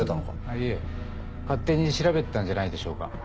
いえ勝手に調べてたんじゃないでしょうか？